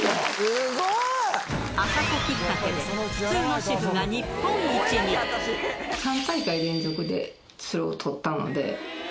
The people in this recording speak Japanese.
すごい。あさこきっかけで、普通の主３大会連続でそれを取ったので。